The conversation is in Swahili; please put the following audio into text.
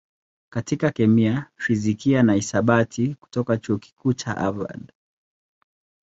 katika kemia, fizikia na hisabati kutoka Chuo Kikuu cha Harvard.